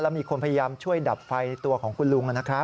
มีคนพยายามช่วยดับไฟตัวของคุณลุงนะครับ